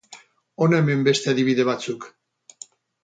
Hona hemen beste adibide batzuk.